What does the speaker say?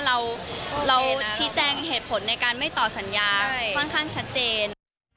เราชี้แจงเหตุผลในการไม่ต่อสัญญาค่อนข้างชัดเจน